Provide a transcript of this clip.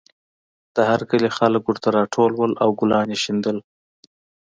د هر کلي خلک ورته راټول وو او ګلان یې شیندل